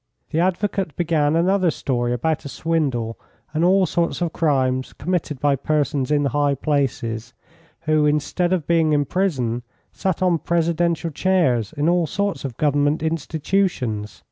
The advocate began another story about a swindle, and all sorts of crimes committed by persons in high places, who, instead of being in prison, sat on presidential chairs in all sorts of Government institutions.